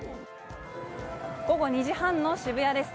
午後２時半の渋谷です。